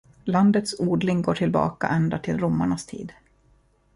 Landets odling går tillbaka ända till romarnas tid.